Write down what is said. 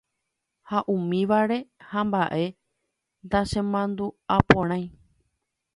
ha umívare ha mba'e nachemandu'aporãi.